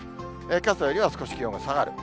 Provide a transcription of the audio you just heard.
けさよりは少し気温が下がる。